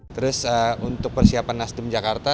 terus untuk persiapan nasdem jakarta